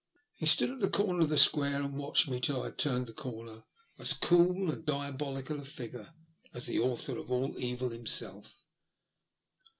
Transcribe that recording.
He stood at the corner of the Square, and watched me till I had turned the corner, as cool and diabolical a figure as the Author of all Evil himself.